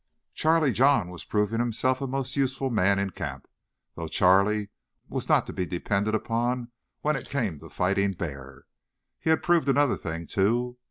Charlie John was proving himself a most useful man in the camp, though Charlie was not to be depended upon when it came to fighting bear. He had proved another thing, too.